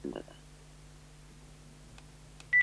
خو هڅه کول زموږ دنده ده.